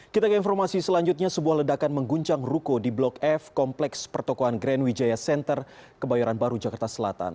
kita ke informasi selanjutnya sebuah ledakan mengguncang ruko di blok f kompleks pertokohan grand wijaya center kebayoran baru jakarta selatan